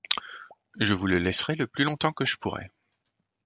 Je vous le laisserai le plus longtemps que je pourrai.